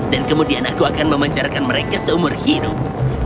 dan kemudian aku akan memancarkan mereka seumur hidup